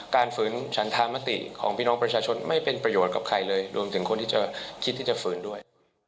ฝืนฉันธามติของพี่น้องประชาชนไม่เป็นประโยชน์กับใครเลยรวมถึงคนที่จะคิดที่จะฝืนด้วย